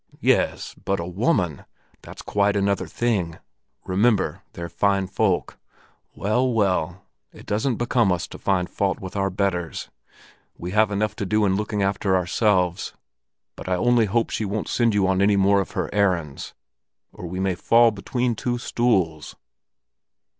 "Yes, but a woman! That's quite another thing. Remember they're fine folk. Well, well, it doesn't become us to find fault with our betters; we have enough to do in looking after ourselves. But I only hope she won't send you on any more of her errands, or we may fall between two stools."